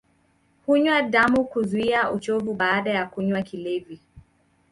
Hunywa damu kuzuia uchovu baada ya kunywa kilevi